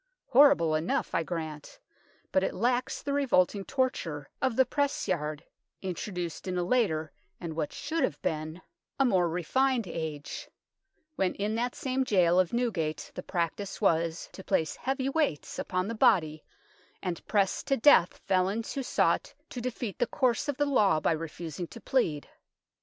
Horrible enough, I grant, but it lacks the revolting torture of the press yard, intro duced in a later and what should have been a Q 242 UNKNOWN LONDON more refined age, when in that same gaol of Newgate the practice was to place heavy weights upon the body and press to death felons who sought to defeat the course of the law by refus ing to plead.